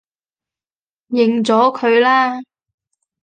認咗佢啦